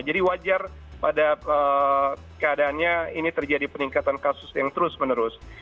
jadi wajar pada keadaannya ini terjadi peningkatan kasus yang terus menerus